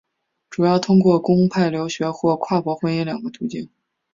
主要通过公派留学或跨国婚姻两个途径。